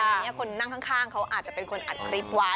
อันนี้คนนั่งข้างเขาอาจจะเป็นคนอัดคลิปไว้